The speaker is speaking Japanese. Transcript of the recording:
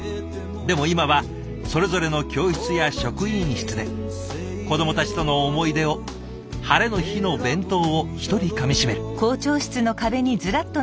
でも今はそれぞれの教室や職員室で子どもたちとの思い出をハレの日のお弁当を１人かみしめる。